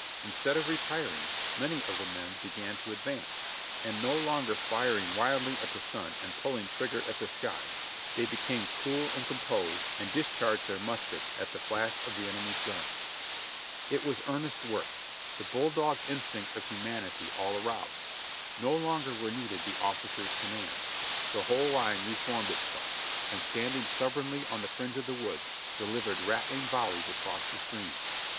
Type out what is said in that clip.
Instead of retiring, many of the men began to advance ; and no longer firing wildly at the sun, and pulling trigger at the sky, they became cool and composed and discharged their muskets at the flash of the enemy's guns. It was earnest work; the bulldog instinct of 58 JOHNNY RKB AND BIIvl^Y YANK humanity all aroused. No longer were needed the officers'^ commands. The whole line reformed itself, and standing stub bornly on the fringe of the woods delivered rattling volleys across the stream.